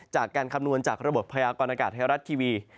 คำนวณจากระบบพยากรณากาศไทยรัฐทีวี